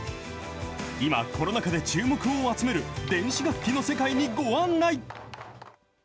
今、コロナ禍で注目を集める電子楽器の世界にご案内。